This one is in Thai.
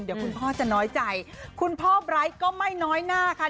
เดี๋ยวคุณพ่อจะน้อยใจคุณพ่อไบร์ทก็ไม่น้อยหน้าค่ะ